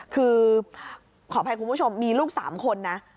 คือขออภัยคุณผู้ชมมีลูก๓คนนะ